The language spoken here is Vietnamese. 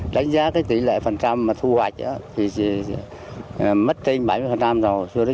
đánh giá tỷ lệ phần trăm thu hoạch thì mất trên bảy mươi rồi